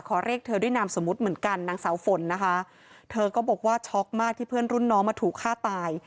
เรียกเธอด้วยนามสมมุติเหมือนกันนางสาวฝนนะคะเธอก็บอกว่าช็อกมากที่เพื่อนรุ่นน้องมาถูกฆ่าตาย